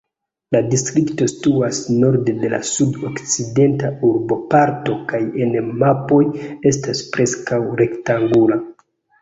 La distrikto situas norde de la sud-okcidenta urboparto kaj en mapoj estas preskaŭ rektangula.